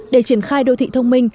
để triển khai đô thị thông minh